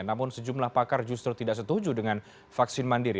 namun sejumlah pakar justru tidak setuju dengan vaksin mandiri